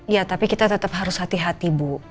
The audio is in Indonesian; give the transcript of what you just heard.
ya tapi kita tetap harus hati hati bu